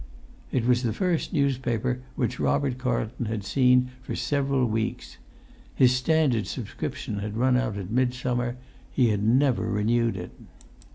It was the first newspaper which Robert Carlton had seen for several weeks. His Standard subscription had run out at mid summer; he had never renewed it.